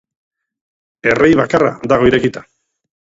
Errei bakarra dago irekita.